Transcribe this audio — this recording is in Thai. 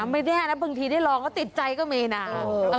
ไม่ได้นะบางทีได้ร้องก็ติดใจก็ไม่นานา